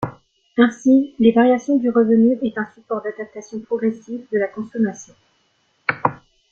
Ainsi, les variations du revenu est un support d'adaptation progressif de la consommation.